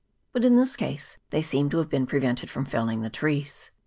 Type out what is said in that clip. But in this case they seem to have been prevented from felling the trees.